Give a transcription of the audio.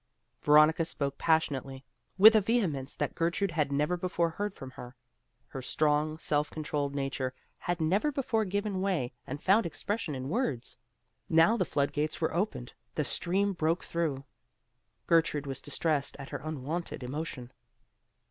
Veronica spoke passionately; with a vehemence that Gertrude had never before heard from her. Her strong, self controlled nature had never before given way and found expression in words. Now the flood gates were opened, the stream broke through. Gertrude was distressed at her unwonted emotion.